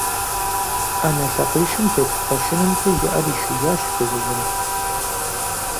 Ӏэнэ лъакъуищым тет кхъуэщынымкӀэ и Ӏэр ишиящ фызыжьым.